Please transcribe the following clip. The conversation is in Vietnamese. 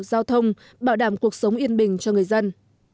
giao thông bảo đảm cuộc sống yên bình cho người dân